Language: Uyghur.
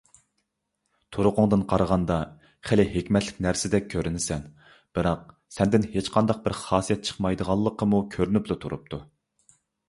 تۇرقۇڭدىن قارىغاندا، خېلى ھېكمەتلىك نەرسىدەك كۆرۈنىسەن. بىراق، سەندىن ھېچقانداق بىر خاسىيەت چىقمايدىغانلىقىمۇ كۆرۈنۈپلا تۇرۇپتۇ.